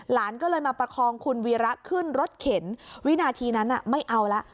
หลานก็เลยมาประคองคุณวีระขึ้นรถเข็นวินาทีนั้นไม่เอาละ